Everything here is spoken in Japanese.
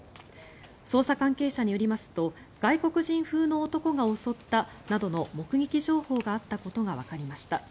捜査関係者によりますと外国人風の男が襲ったなどの目撃証言があったことがわかりました。